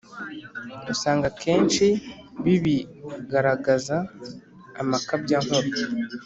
usanga akenshi bibigaragaza amakabyankuru.